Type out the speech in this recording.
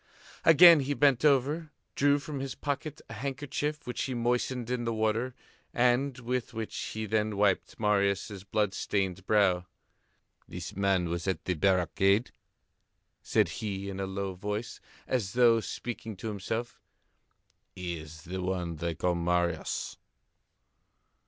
Again he bent over, drew from his pocket a handkerchief which he moistened in the water and with which he then wiped Marius' blood stained brow. "This man was at the barricade," said he in a low voice and as though speaking to himself. "He is the one they called Marius."